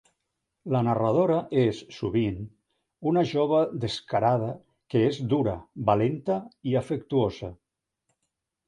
La narradora és, sovint, una jove descarada que és dura, valenta i afectuosa.